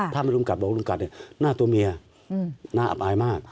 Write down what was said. ถ้าไม่ลุ่มกัดบอกลุ่มกัดหน้าตัวเมียหน้าอับอายมาก